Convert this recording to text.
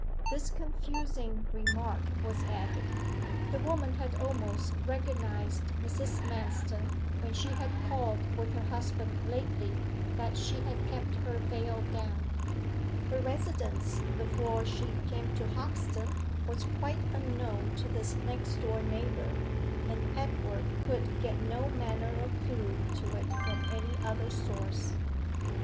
This confusing remark was added. The woman had almost recognized Mrs. Manston when she had called with her husband lately, but she had kept her veil down. Her residence, before she came to Hoxton, was quite unknown to this next door neighbour, and Edward could get no manner of clue to it from any other source.